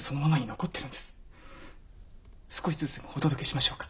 少しずつでもお届けしましょうか？